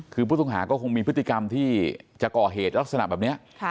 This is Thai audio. คือผู้ต้องหาก็คงมีพฤติกรรมที่จะก่อเหตุลักษณะแบบนี้